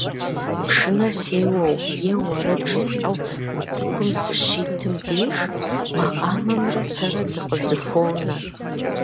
Пшынэ сеуэу е уэрэд жысӀэу утыкум сыщитым деж, макъамэмрэ сэрэ дыкъызэхуонэ.